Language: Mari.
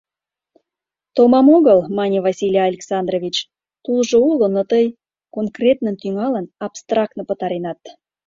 — Томам огыл, — мане Василий Александрович, — тулжо уло, но тый, конкретнын тӱҥалын, абстрактно пытаренат.